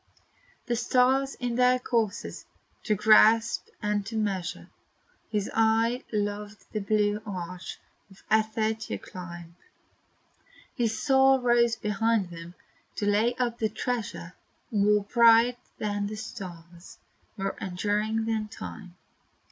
The stars in their courses to grasp and to measure, His eye loved the blue arch of ether to climb; His soul rose beyond them to lay up a treasure More bright than the stars, more enduring than time.